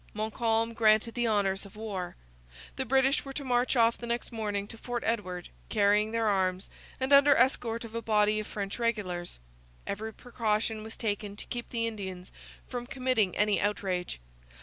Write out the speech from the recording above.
Montcalm granted the honours of war. The British were to march off the next morning to Fort Edward, carrying their arms, and under escort of a body of French regulars. Every precaution was taken to keep the Indians from committing any outrage.